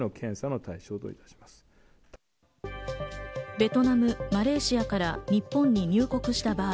ベトナム、マレーシアから日本に入国した場合、